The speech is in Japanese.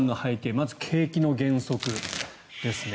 まず景気の減速ですね。